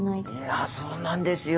いやそうなんですよ。